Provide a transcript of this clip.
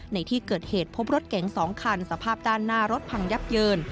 ในที่เกิดเหตุพบรถเก๋ง๒คันสภาพด้านหน้ารถพังยับเยิน